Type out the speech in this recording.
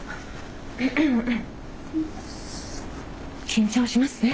緊張しますね。